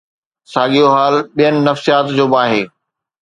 ساڳيو حال ٻين نفيسات جو به آهي.